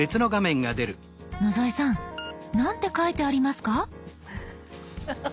野添さんなんて書いてありますか？